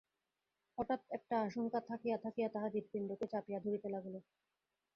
হঠাৎ একটা আশঙ্কা থাকিয়া থাকিয়া তাহার হৃৎপিণ্ডকে চাপিয়া ধরিতে লাগিল।